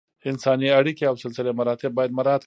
انساني اړیکې او سلسله مراتب باید مراعت کړل شي.